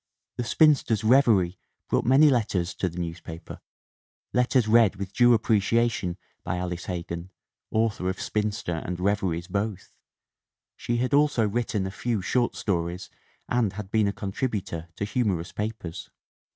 The spinster's reveries brought many letters to the newspaper, letters read with due appreciation by Alice Hegan, author of spin ALICE HEGAN RICE 315 ster and reveries both. She had also written a few short stories and had been a contributor to humorous papers.